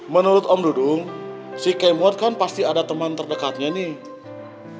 menurut om dudung si kemod kan pasti ada teman terdekatnya nih